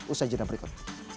usaha jeda berikut